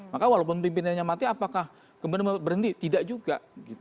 maka walaupun pimpinannya mati apakah kemudian berhenti tidak juga